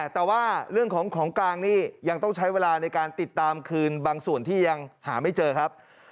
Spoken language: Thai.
แต่ว่าเรื่องของของกลางนี่ยังต้องใช้เวลาในการติดตามคืนบางส่วนที่ยังหาไม่เจอครับ